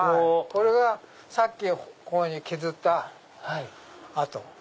これがさっきこういうふうに削った跡。